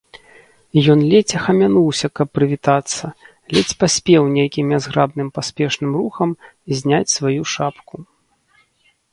Ён ледзь ахамянуўся, каб прывітацца, ледзь паспеў нейкім нязграбным паспешным рухам зняць сваю шапку.